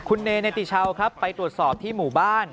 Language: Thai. คุณเนติชาวครับไปตรวจสอบที่หมู่บ้าน